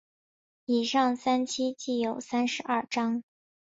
以上三期计有三十二章。